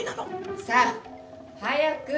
・さあ早く！